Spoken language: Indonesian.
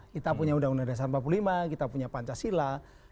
kita punya undang undang dasar empat puluh lima kita punya pancasila